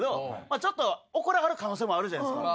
あちょっと怒りはる可能性もあるじゃないですか。